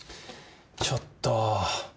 ちょっと。